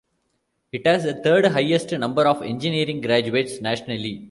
It has the third highest number of engineering graduates nationally.